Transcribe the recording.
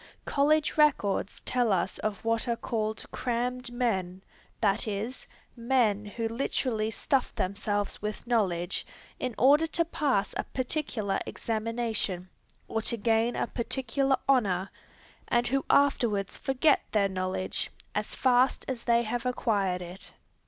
College records tell us of what are called "crammed men," that is, men who literally stuff themselves with knowledge in order to pass a particular examination, or to gain a particular honor, and who afterwards forget their knowledge, as fast as they have acquired it.